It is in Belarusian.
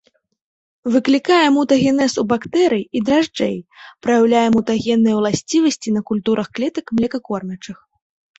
Выклікае мутагенез ў бактэрый і дражджэй, праяўляе мутагенныя ўласцівасці на культурах клетак млекакормячых.